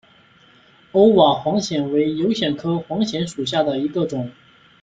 欧瓦黄藓为油藓科黄藓属下的一个种。